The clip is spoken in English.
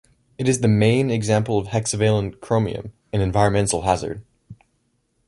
It is the main example of hexavalent chromium, an environmental hazard.